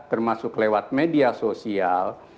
termasuk lewat media sosial